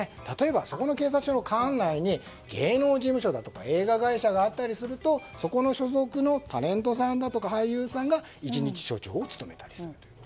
例えば、そこの警察署の管内に芸能事務所だとか映画会社があったりするとそこの所属のタレントさんだとか俳優さんが一日署長を務めたりする。